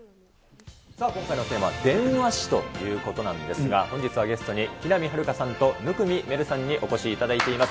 さあ、今回のテーマは電話史ということなんですが、本日はゲストに、木南晴夏さんと生見愛瑠さんにお越しいただいております。